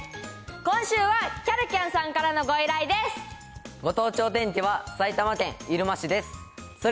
今週はきゃるきゃんさんからのごご